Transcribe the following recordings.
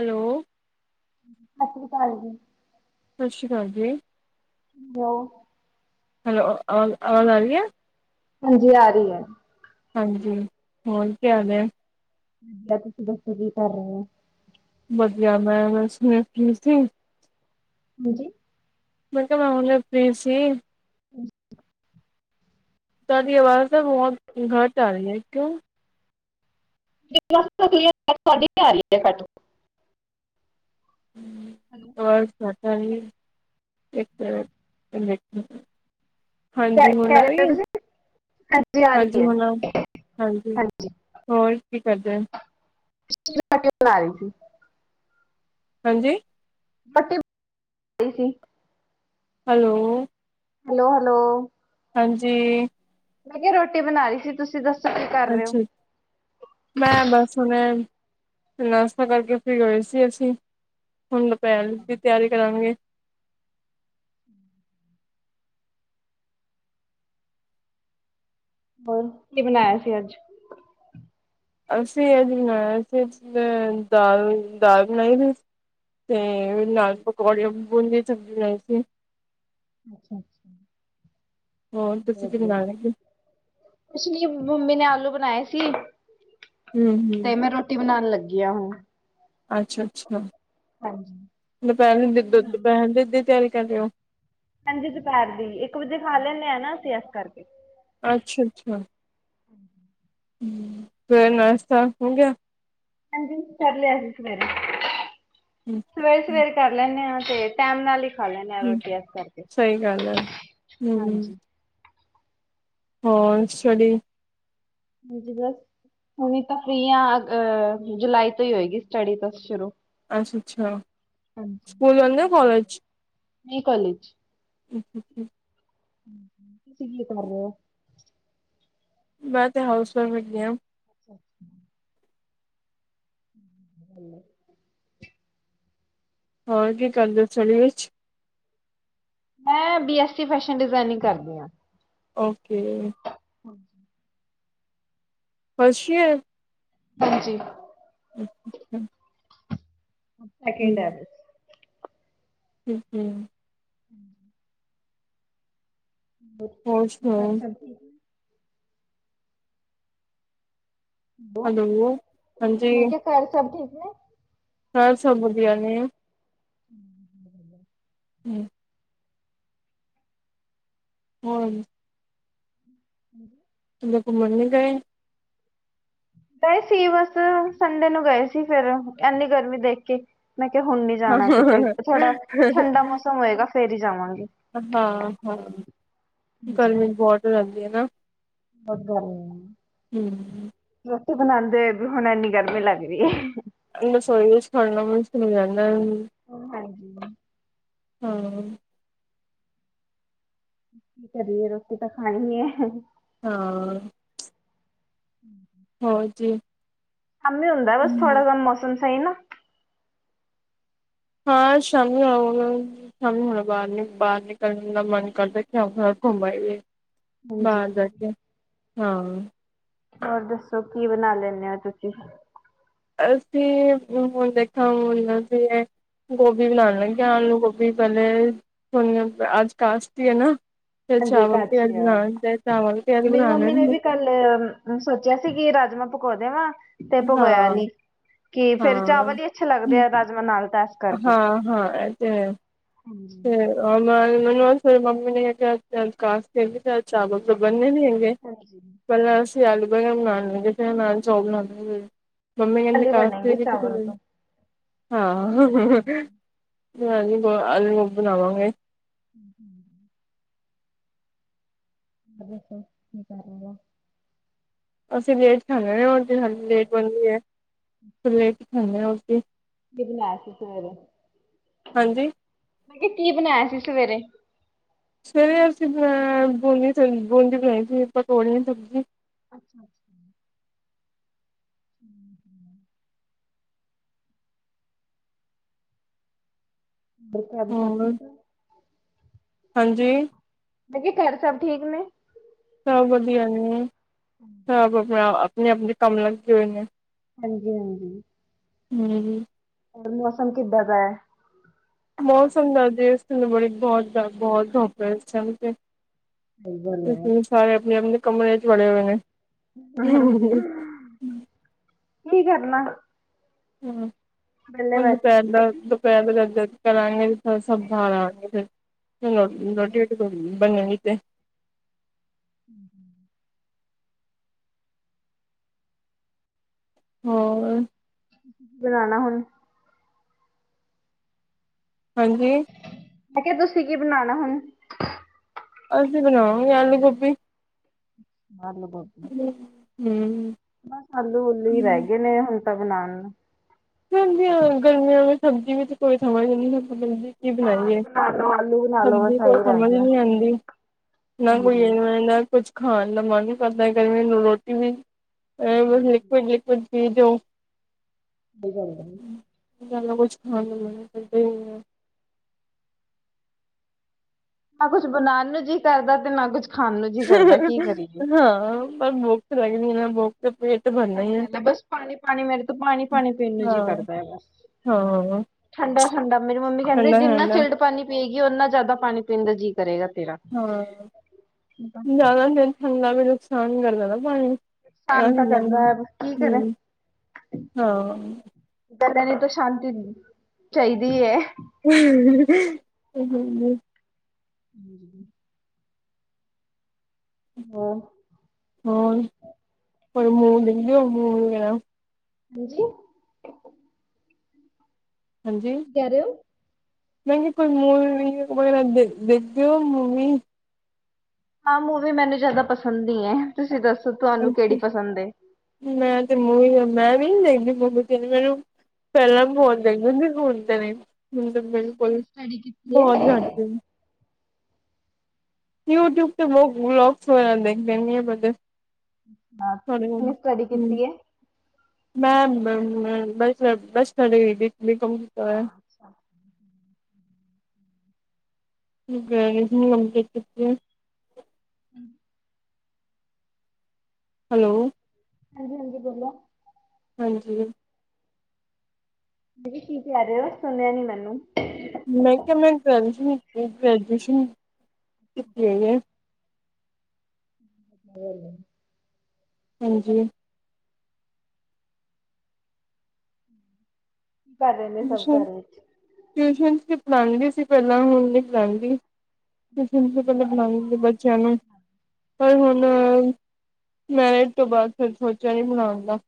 Aloe ਸਸ੍ਰੀ ਅਕਾਲ ਜੀ ਸ ਸ਼੍ਰੀ ਅਕਾਲ ਜੀ ਹੂੰ [inaudible] ਹੈਲੋ ਆਵਾਜ ਆਵਾਜ ਆ ਰੀ ਐ ਹਾਂਜੀ ਆ ਰਹੀ ਐ ਹਾਂਜੀ ਹੋਰ ਕੀ ਹਾਲ ਐ। [unintelligible] ਵਧੀਆ ਮੈਂਮ ਸ [unintelligible] ਸ ਹਾਂਜੀ [unintelligible] ਤੁਆਡੀ ਆਵਾਜ਼ ਨਾ ਬਹੁਤ ਘਟ ਆ ਰਹੀ ਐ ਕਿਉ [inaudible] ਤੁਹਾਡੀ ਆ ਰਹੀ ਐ ਘੱਟ- ਹੂੰ [inaudible] ਹੈਲੋ [inaudible] [unintelligible] ਕਹਿ ਹਾਂਜੀ ਹੁਣ ਰਹੇ ਹੋ ਆਈ ਤੁਸੀਂ ਆ ਰਹੀ ਹਾਂਜੀ ਹੈ ਹੁਣ ਹਾਂਜੀ ਹੋਰ ਕੀ ਕਰਦੇ ਐ [unintelligible] ਬਣਾ ਰਈ ਸੀ ਹਾਂਜੀ ਪੱਟੀ [unintelligible] ਸੀ ਹੈਲੋ- ਹੈਲੋ ਹੈਲੋ- ਹਾਂਜੀ- ਮੈ ਕਿਆ ਰੋਟੀ ਬਣਾ ਰਹੀ ਸੀ ਤੁਸੀ ਦੱਸੋ ਕੀ ਕਰ ਰਹੇ ਹੋ? ਅੱਛਾ [unintelligible] ਮੈ ਬਸ ਮੈ ਤੇ ਨਾਸ਼ਤਾ ਕਰਕੇ ਫਿਰ ਗਏ ਸੀ ਅਸੀ ਹੁਣ ਦੁਪਹਿਰ ਦੀ ਤਿਆਰੀ ਕਰਾਂਗੇ ਹੋਰ ਕੀ ਬਣਾਇਆ ਸੀ ਅੱਜ ਅਸੀ ਅੱਜ ਬਣਾਇਆ ਸੀ ਦਾਲ ਦਾਲ ਬਣਾਈ ਸੀ ਤੇ ਨਾਲ ਪਕੋੜੇ ਬੂੰਦੀ ਸਬਜ਼ੀ ਬਣਾਈ ਸੀ। ਅੱਛਾ ਅੱਛਾ ਹੋਰ ਤੁਸੀ ਵਧੀਆ। [inaudible] ਕੁਛ ਨੀ ਮੰਮੀ ਨੇ ਆਲੂ ਬਣਾਏ ਸੀ ਹੂੰ ਹੂੰ ਤੇ ਮੈ ਰੋ ਰੋਟੀ ਬਣਾਨ ਲੱਗੀ ਆ ਹੁਣ ਅੱਛਾ ਅੱਛਾ ਹਾਂਜੀ ਦੁਪਹਿਰ ਕੀ ਦ ਬਣਾਇਆ? ਦੁਪਹਿਰ ਦੀ ਤਿਆਰੀ ਕਰ ਰਹੇ ਓ ਹਾਂਜੀ ਦੁਪਹਿਰ ਦੀ ਇੱਕ ਵਜੇ ਖਾ ਲੈਂਣੇ ਆ ਨਾ ਅਸੀਂ ਏਸ ਕਰਕੇ। ਅੱਛਾ ਅੱਛਾ। ਹਮ। ਹਮ ਫੇਰ ਨਾਸ਼ਤਾ ਹੋ ਗਿਆ। ਹਾਂਜੀ ਕਰ ਲਿਆ ਸੀ ਸਵੇਰੇ। ਹਮ। ਸਵੇਰ ਸਵੇਰ ਕਰ ਲੈਂਦੇ ਹਾਂ ਤੇ ਟਾਈਮ ਨਾਲ ਹੀ। ਖਾ ਲੈਂਦੇ ਹਾਂ ਰੋਟੀ ਇਸ ਕਰਕੇ ਸਹੀ ਗੱਲ ਹੈ ਹੂੰ ਹਾਂਜੀ। ਹੋਰ ਸਟੱਡੀ। ਹਾਂਜੀ ਬਸ ਹੁਣ ਤਾਂ ਫਰੀ ਹਾਂ ਜੁਲਾਈ ਤੋਂ ਹੀ ਹੋਏਗੀ ਸਟੱਡੀ ਤਾਂ ਸ਼ੁਰੂ। ਅਛਾ ਅਛਾ। ਹਾਂਜੀ ਤੁਂ ਕੀ ਕਰ ਰਹੇ [unintelligible] ਮੈ ਕੋਲਜ। ਹਮ ਹਮ। [inaudible] ਤੁਸੀ ਕੀ ਕਰ ਰਹੇ ਹੋ। ਮੈ ਤਾਂ ਹਾਊਸ ਵਾਈਫ ਹੈਗੀ ਹਾ। ਅੱਛਾ ਅੱਛਾ। [inaudible] ਹਮ। [inaudible] ਹੋਰ ਕੀ ਕਰਦੇ ਹੋ ਘਰ ਵਿਚ। ਮੈਂ ਬੀ ਐਸਸੀ ਫੈਸ਼ਨ ਡਿਜ਼ਾਇਨਿਗ ਕਰਦੀ ਹਾਂ। ਓਕੇ। ਅੱਛਾ। ਹਾਂਜੀ। ਹਮ। [inaudible] [unintelligible] ਹਮ ਹਮ। ਹਾਂਜੀ। ਹੋਰ ਸਾਰੇ ਸਬ ਠੀਕ। ਹੈਲੋ ਮੈਂ ਕਿਹਾ ਘਰ ਸਭ ਠੀਕ ਹੈ। ਘਰ ਸਬ ਵਧੀਆ ਨੇ। ਹਮ। ਹਮ। ਹਮ। ਹਮ। ਕੀਤੇ ਘੁੰਮਣ ਨਹੀਂ ਗਏ। ਗਏ ਸੀ ਬਸ ਸੰਡੇ ਨੂੰ ਗਏ ਸੀ ਫੇਰ ਇਨੀ ਗਰਮੀ ਦੇਖ ਕੇ ਮੈਂ ਕਿਹਾ ਹੁਣ ਨੀ ਜਾਣਾ ਕਿਤੇ ਹਾਂ ਥੋੜਾ ਠੰਡਾ ਮੌਸਮ ਹੋਏਗਾ ਫੇਰ ਹੀ ਜਾਵਾਂਗੇ। ਹਾਂ ਹਾਂ ਗਰਮੀ ਬਹੁਤ ਲੱਗਦੀ ਹੈ ਨਾ। ਓਹ ਕਿ ਕਹਿੰਦੇ। ਹਮ। ਰੋਟੀ ਬਣਾਉਂਦੇ ਵੀ ਹੁਣ ਇੰਨੀ ਗਰਮੀ ਲੱਗ ਰਹੀ ਹੈ। ਰਸੋਈ ਵਿੱਚ ਖਾਣਾ ਬਣਾਉਣਾ ਮੁਸ਼ਕਿਲ ਹੋ ਜਾਂਦਾ। ਹਾਂਜੀ। ਹਾਂ। ਕੀ ਕਰੀਏ ਰੋਟੀ ਤਾਂ ਖਾਣੀ ਹੈ। ਹਾਂ। ਹਮ। ਹੋਰ ਜੀ। ਸ਼ਾਮੀ ਹੁੰਦਾ ਬਸ ਥੋੜਾ ਹੂੰ ਜਿਆ ਮੌਸਮ ਸਹੀ ਨਾ। ਹਾਂ ਸ਼ਾਮੀ ਆਓਗੇ। ਸਾਨੂੰ ਹੁਣ ਬਾਹਰ ਨ ਬਾਹਰ ਨਿਕਲਣ ਦਾ ਮਨ ਕਰਦਾ ਕਿਰ ਘੁੰਮਈਏ। ਹਾਂਜੀ। ਬਾਹਰ ਜਾਕੇ ਹਾਂ। ਹੋਰ ਦੱਸੋ ਕੀ ਬਣਾ ਲੈਂਣੇ ਹੋ ਤੁਸੀਂ? ਅਸੀਂ [unintelligible] ਗੋਭੀ ਬਣਾ ਲਾਂਗੀ ਲੱਗਿਆ ਆਲੂ-ਗੋਭੀ ਪਹਿਲੇ ਅੱਜ ਕਾਸਤੀ ਏ ਨਾ। ਫਿਰ ਹਾਂਜੀ ਇੱਕ ਚਾਵਲ ਪਿਆਜ ਅੱਛੀ ਯਾਰ ਬਣਾਣ ਫਿਰ ਚਾਵਲ ਪਿਆਜ ਬਣਾ ਲੈਣੀ ਆ- ਫਿਰ ਸੋਚਿਆ ਸੀ ਕਿ ਰਾਜਮਾਂ ਪੋਗ ਦੇਵਾ ਤੇ ਪਗੋਇਆ ਹਾਂ ਨੀ। ਕੀ ਫੇਰ ਚਾਵਲ ਹੀ ਅੱਛੇ ਲੱਗਦੇ ਆ ਰਾਜਮਾਂ ਨਾਲ ਤਾਂ ਕਰਕੇ ਹਾਂ-ਹਾਂ ਇਹ ਤੇ ਹੈ। ਹਾਂਜੀ ਆ ਮੈਨੂੰਰੀ ਮੰਮੀ ਨੇ ਕਿਹਾ ਅੱਜ ਕਾਸਤੀ ਹੈ ਤੇ ਅੱਜ ਚਾਵਲ ਤੋਂ ਬਣਨੇ ਵੀ ਹੈਗੇ। ਹਾਂਜੀ। ਪਹਿਲਾਂ ਅਸੀਂ ਆਲੂ-ਬੇਂਗਨ ਬਣਾਣ ਲੱਗੇ ਸੀ ਫਿਰ ਨਾਲ ਚੋਬ ਲੱਗ ਗੀ ਏ ਪਰ ਮੰਮੀ ਕਹਿੰਦੀ ਕੱਲ ਹੀ ਕਾਸਤੀ ਬਣੇਗੇ ਹੈਗੀ ਏ ਤੇ ਚਾਵਲ ਨਹੀ। ਤੋਂ ਹਾਂ ਆਲੂ-ਗੋਬੀ ਬਣਾਵਾਂਗੇ। [inaudible] ਦੱਸੋ ਕੀ ਕਰ ਰਹੇ ਹੋ। ਅਸੀਂ ਲੇਟ ਖਾਣੇ ਆ ਤੇ ਹਜ਼ੇ ਲੇਟ ਬਣਦੀ ਐ। ਲੇਟ ਖਾਂਦੇ ਹਾਂ ਰੋਟੀ ਕੀ ਬਣਾਇਆ ਸੀ ਸਵੇਰੇ ਹਾਂਜੀ? ਮੈਂ ਕਿਹਾ ਕੀ ਬਣਾਇਆ ਸੀ ਸਵੇਰੇ? ਸਵੇਰੇ ਅਸੀਂ ਬਣਾ ਬੂੰਦੀ ਬੂੰਦੀ ਬਣਾਈ ਸੀ ਪਕੌੜਿਆਂ ਦੀ ਸਬਜ਼ੀ। ਅੱਛਾ-ਅੱਛਾ। [inaudible] ਬਾਕੀ ਘਰ ਸਭ ਹੋਰ ਠੀਕ ਏ? ਹਾਂਜੀ? ਕਾਂਜੀ ਘਰ ਸਭ ਠੀਕ ਨੇ। ਸਭ ਵਧੀਆ ਨੇ ਸਭ ਆਪਣਾ ਆਪਣੇ-ਆਪਣੇ ਕੰਮ ਲੱਗੇ ਹੋਏ ਨੇ। ਹਾਂਜੀ-ਹਾਂਜੀ। ਹੂੰ। ਹੋਰ ਮੌਸਮ ਕਿੱਦਾਂ ਦਾ ਐ? ਮੌਸਮ ਦਾ ਜ ਇਸ ਤਨੂੰ ਬੜੀ ਬਹੁਤ-ਬਹੁਤ ਧੁੱਪ ਹੈ ਇਸ ਟੈਮ ਤੇ ਸਹੀ ਗੱਲ ਹੈ ਅ ਸਾਰੇ ਆਪਣੇ-ਆਪਣੇ ਕਮਰਿਆਂ ‌ਚ ਵੜੇ ਹੋਏ ਨੇ। ਹੂੰ ਕੀ ਕਰਨਾ। ਹੂੰ ਵਿਹਲੇ ਹੁਣ ਬੈਠੇ ਦੁਪਹਿਰ ਦਾ ਦੁਪਹਿਰ ਗਧਕ ਕਰਾਂਗੇ ਸਭ ਥਾਂ ਰਾਹਗੇ ਫਿਰ ਰੋਟੀ-ਰੋਟੀ ਵੀ ਬਣੇਗੀ ਤੇ ਹੂੰ-ਹੂੰ। ਹੋਰ ਬਣਾਣਾ ਹੁਣ ਹਾਂਜੀ। ਮੈ ਕਿਹਾ ਤੁਸੀਂ ਕੀ ਬਣਾਣਾ ਹੁਣ? ਅਸੀਂ ਬਣਾਵਾਂਗੇ ਆਲੂ-ਗੋਭੀ ਆਲੂ-ਗੋਬੀ। ਹੂੰ। ਬਸ ਆਲੂ ਉੱਲੂ ਹੀ ਰਹਿ ਗਏ ਨੇ ਹੁਣ ਤਾਂ ਬਣਾਣ ਨੂੰ। ਸਰਦੀਆਂ ਗਰਮੀਆਂ ਵਿੱਚ ਸਬਜ਼ੀ ਵਿੱਚ ਕੋਈ ਸਮਝ ਨਹੀਂ ਆਪਾਂ ਸਬਜ਼ੀ ਕੀ ਦਾਲ ਬਣਾਈਏ? ਬਣਾ ਲੋ ਆਲੂ ਬਣਾ ਲੋ ਸਬਜੀ ਬਸ ਕੋਈ ਇਹੀ ਰਹਿ ਸਮਝ ਗਿਆ। ਨੀ ਆਂਦੀ ਨਾ ਹਾਂਜੀ ਕੋਈ ਸਹੀ ਇਹਦਾ ਕੁੱਛ ਖਾਣ ਦਾ ਮਨ ਕਰਦਾ ਗਰਮੀ ਨੂੰ ਰੋਟੀ ਵੀ ਬ ਲਿਕ ਲਿਕੁਅਡ ਲਿਕੁਅਡ ਚੀਜ ਹੋ। ਕੀ ਚੱਲਦਾ? ਜ਼ਿਆਦਾ ਕੁੱਛ ਖਾਣ ਨੂੰ ਮਨ ਕਰਦੇ ਹਨ ਨਹੀ ਹੈ। ਨਾ ਕੁਛ ਬਣਾਉਣ ਨੂੰ ਜੀ ਕਰਦਾ ਤੇ ਨਾ ਕੁੱਛ ਖਾਣ ਨੂੰ ਜੀ ਕਰਦਾ ਕੀ ਕਰੀਏ। ਹਾਂ ਪਰ ਬੁੱਖ ਲੱਗਦੀ ਨਾ ਬੁੱਖ ਤੇ ਪੇ ਸਹੀ ਗੱਲ ਹੈ ਬਸ ਪਾਣੀ- ਪਾਣੀ ਮੇਰੇ ਤੋਂ ਪਾਣੀ- ਪਾਣੀ ਪੀਣ ਨੂੰ ਹਾਂ ਜੀ ਕਰਦਾ ਹੈ ਬਸ ਹਾਂ ਠੰਡਾ- ਠੰਡਾ ਮੇਰੀ ਮੰਮੀ ਕਹਿੰਦੇ ਠੰਡਾ ਠੰਡਾ ਜਿੰਨਾ ਚਿਲਡ ਹਾਂ ਪਾਣੀ ਪੀਏਗੀ ਉਨਾ ਜ਼ਿਆਦਾ ਪਾਣੀ ਪੀਣ ਦਾ ਜੀਅ ਕਰੇਗਾ ਤੇਰਾ ਹਾਂ। ਜ਼ਿਆਦਾ ਦਿਨ ਠੰਡਾ ਵੀ ਨੁਕਸਾਨ ਕਰਦਾ ਨਾ ਪਾਣੀ ਸ਼ਾਨ ਤਾਂ ਹੂੰ ਕਰਦਾ ਹੈ ਕੀ ਕਰੇ ਹੂੰ ਹਾਂ। ਪਹਿਲਾ ਵਿਚੋਂ ਸ਼ਾਂਤੀ ਚਾਹੀਦੀ ਹੈ। ਸਹੀ ਕਹਿੰਦੇ। [inaudible] [unintelligible] ਹੂੰ, ਕੋਈ ਮੁਵੀ ਦੇਖਦੇ ਹੁੰਦੇ ਓ। ਹਨ ਜੀ। ਹਨ ਜੀ ਮੈਂ ਕਿਹਾ ਤੁਸੀਂ ਮੂਵੀ ਵਗੈਰਾ ਦੇਖਦੇਓ ਨੀ? ਹਾਂ ਮੂਵੀ ਮੈਨੂੰ ਜ਼ਿਆਦਾ ਪਸੰਦ ਨ ਹੈ। ਤੁਸੀਂ ਦੱਸੋ ਤੁਹਾਨੂੰ ਕਿਹੜੀ ਅੱਛਾ ਪਸੰਦ ਏ। ਮੈਂ ਤੇ ਮੂਵੀ, ਮੈਂ ਵੀ ਨ ਦੇਖਦੀ ਮੂਵੀ ਤੇ ਮੈਨੂੰ ਪਹਿਲਾਂ ਬਹੁਤ ਦੇਖਦੀ ਹੁੰਦੀ ਸੀ। ਹੁਣ ਤਾਂ ਨਹੀਂ ਦੇਖਦੀ, ਤਾਂ ਬਿਲਕੁਲ ਬਹੁਤ ਘੱਟ ਯੂਟਿਊਬ ਤੇ ਵਲੋਗਸ ਵਗੈਰਾ ਦੇਖ ਲਣੀ ਹੈ। ਹਲੇ ਹਾਂ ਪਰ ਤੁਸੀਂ ਹੁਣ ਕਿਵੇਂ ਸਟੱਡੀ ਹੂੰ। ਕੀਤੀ ਹੈ? ਮੈਂ ਬਸ - ਆ ਅੱਛਾ। [unintelligible] ਹੂੰ ਹੈਲੋ। ਹਾਂਜੀ ਹਾਂਜੀ ਬੋਲੋ। ਹਾਂਜੀ। ਦੀਦੀ ਕੀ ਕਹਿ ਰਹੇ ਹੋ। ਸੁਣਿਆ ਨੀ ਮੈਨੂੰ ਮੈਂ ਕਿਹਾ ਮੈਂ ਗ੍ਰੈਜੂਏਸ਼ਨ ਕੀ- ਗ੍ਰੈਜੂਏਸ਼ਨ ਕੀਤੀ ਹੋਈ ਹੈ। ਹੈਲੋ। ਹਾਂਜੀ ਕੀ ਕਰ ਰਹੇ ਨੇ ਸਭ ਟਿਊਸ਼ਨ ਘਰ ਵਿੱਚ ਟਿਊਸ਼ਨ ਵਿਚ ਪੜਉਣਦੀ ਸੀ ਪਹਿਲਾਂ, ਹੁਣ ਨਹੀਂ ਪੜਉਣਦੀ। ਟਿਉਸ਼ਨ ਵਿਚ ਬਣਾਉਣ ਪੈਂਦੀ ਏ, ਬੱਚਿਆਂ ਨਾਲ। ਪਰ ਹੁਣ ਮੈਰਿਜ ਤੋਂ ਬਾਅਦ ਫਿਰ ਸੋਚਿਆ ਨੀ ਪੜਾਨ ਦਾ।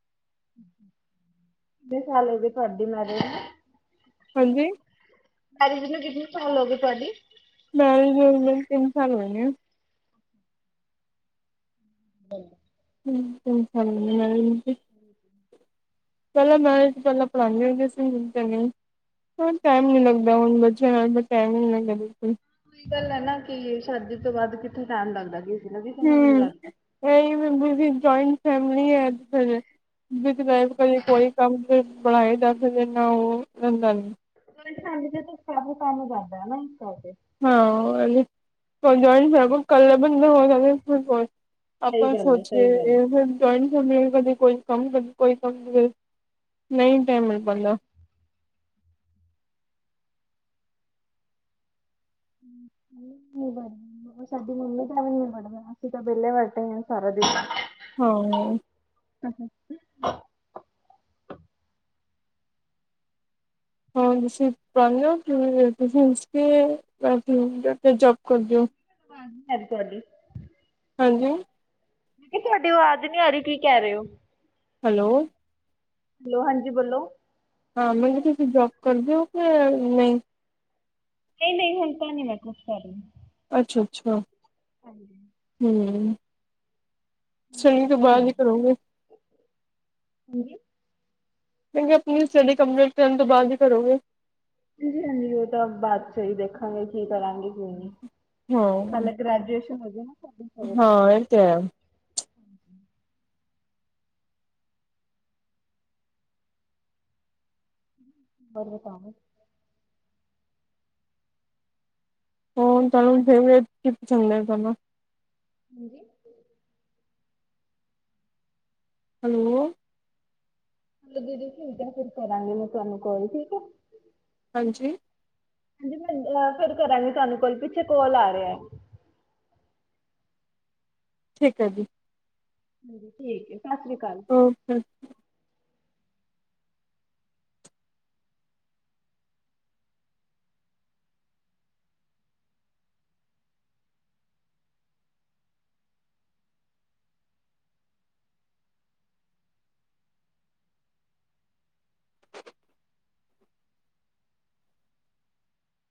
ਕਿੰਨੇ ਸਾਲ ਹੋ ਗਏ ਤੁਹਾਡੀ ਮੈਰੇਜ ਨੂੰ? ਹਾਂਜੀ। ਮੈਰਿਜ ਨੂੰ ਕਿੰਨੀ ਚੀਰ ਹੋ ਗਈ ਤੁਹਾਡੀ? ਮੈਰਿਜ ਮੇਰੀ ਨੂੰ ਤਿੰਨ ਸਾਲ ਹੋਏ ਨੇ। [inaudible] [unintelligible] [inaudible] ਪਹਿਲਾਂ ਮੈਂ ਪਹਿਲਾਂ ਪੜ੍ਹਾਂਦੀ ਹੁੰਦੀ ਸੀ। ਹੁਣ ਤੇ ਨੀ ਹੁਣ ਟਾਈਮ ਨੀ ਲੱਗਦਾ ਹੁਣ ਹੁਣ ਮੈਨੂੰ ਟਾਈਮ ਹੀ ਨਈ ਮਿਲਦਾ ਬਿਲਕੁਲ। ਓਹੀ ਤਾਂ ਗੱਲ ਹੈ ਨਾ। ਕਿ ਸ਼ਾਦੀ ਤੋਂ ਬਾਅਦ ਕਿੱਥੇ ਟਾਈਮ ਲੱਗਦਾ। ਕਿ ਹੂੰ। ਉਹੀ ਮ ਪੁੱਛ ਰਹੀ ਸੀ। ਜਇੰਟ ਫੈਮਲੀ ਹੈ, ਅੱਜ ਕੱਲ੍ਹ ਵਿੱਦ ਫੈਮਿਲੀ ਕਦੇ ਕੋਈ ਕੰਮ ਬਣਾਏ ਜਾਂਦੇ ਨਾ। ਉਹ ਰਹਦਾ ਵੈ ਵਿਦ ਫੈਮਲੀ ਤੇ। ਫੈਮਲੀ ਕੰਮ ਜ਼ਿਆਦਾ ਇਸ ਕਰਕੇ। ਹਾ। [unintelligible] ਸਹੀ ਆਪਾਂ ਗੱਲ ਹੈ ਸੋਚੀਏ ਸਹੀ ਗੱਲ ਹੈ। ਇਹ ਜਇੰਟ ਫੈਮਲੀ ਕਦੇ ਕੋਈ ਕੰਮ, ਕਦੇ ਕੋਈ ਕੰਮ, ਕਰ ਨਈ ਟਾਈਮ ਮਿਲ ਪਾਂਦਾ। ਨਹੀਂ [inaudible] ਸਾਡੀ ਮੰਮੀ ਤਾਂ ਵੀ ਨ ਵੜਨ ਦੇਂਦੇ। ਅਸੀਂ ਤਾਂ ਵਿਹਲੇ ਬੈਠਦੇ ਆ ਸਾਰਾ ਦਿਨ। ਹਾਂ। [unintelligible] [unintelligible] ਜੋਬ ਕਰਦੇ ਓ। ਹਾਂ ਸਾ ਕੋਡੀ। ਹਾਂਜੀ। ਇਹ ਤੁਹਾਡੀ ਆਵਾਜ਼ ਨੀ ਆ ਰਹੀ ਕਿ ਕਹਿ ਰਹੇ ਹੋ। ਹੈਲੋ। ਹੈਲੋ ਹਾਂਜੀ ਬੋਲੋ। ਹਾਂ ਮਤਲਬ ਤੁਸੀਂ ਜੋਬ ਕਰਦੇ ਹੋ ਕਿ ਨਹੀਂ। ਕੇ ਨਹੀ ਹਣ ਤਾਂ ਨੀ ਮੈਂ ਜੋਬ ਕਰ ਰਹੀ। ਅੱਛਾ ਅੱਛਾ। ਹਾਂਜੀ। ਹਮ ਸ਼ਨੀ ਤੋਂ ਬਾਅਦ ਹੀ ਕਰੋਗੇ। [inaudible] ਹੰਜੀ। ਤੁਸੀ ਆਪਣੀ ਸਟੱਡੀ ਕੰਪਲੀਟ ਕਰਨ ਤੋਂ ਬਾਅਦ ਕੀ ਕਰੋਗੇ। ਹਾਂਜੀ ਹਾਂਜੀ ਉਹ ਤਾਂ ਬਾਦ ਚਹੀ ਦੇਖਾਂਗੇ ਕੀ ਕਰਾਂਗੇ ਕਿ ਨਹੀਂ। ਹਮ। ਪਹਿਲੇ ਗ੍ਰੈਜੂਏਸ਼ਨ ਹੋ ਗਿਆ ਨਾ। ਸਾਡੀ ਫਿਰ ਹਾਂ ਇਹ ਤੇ ਆ। ਬੜੇ ਕੰਮ ਹਾ। ਹੋਣ ਤੁਹਾਨੂੰ ਫੇਵਰੇਟ ਕਿੱਥੋਂ ਮਿਲੇ ਗਾ ਹਨਾ। ਹਾਂਜੀ। ਹੈਲੋ। ਚਲੋ ਦੀਦੀ ਠੀਕ ਹੈ ਫਿਰ ਕਰਾਂਗੀ ਮੈਂ ਤੁਹਾਨੂੰ ਕੋਲ ਠੀਕ ਹੈ। ਹਾਂਜੀ। ਹਾਂਜੀ ਮੈਂ ਫੇਰ ਕਰਾਂਗੀ ਤੁਹਾਨੂੰ ਕੋਲ ਪਿੱਛੇ ਕੋਲ ਆ ਰਿਹਾ। ਠੀਕ ਹੈ ਜੀ। ਠੀਕਏ ਸਤਿ ਸ਼੍ਰੀ ਅਕਾਲ। ਓਕੇ।